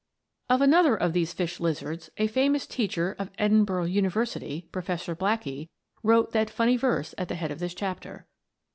Of another of these fish lizards a famous teacher of Edinburgh University, Professor Blackie, wrote that funny verse at the head of this chapter.